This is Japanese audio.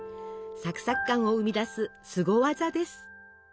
サクサク感を生み出すすご技です。